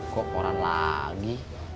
kok koran lagi